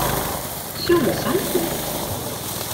Sjong in sankje.